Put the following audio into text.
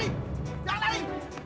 hei jangan lari